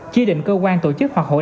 chi định cơ quan tổ chức hoạt hội